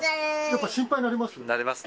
やっぱ心配になります？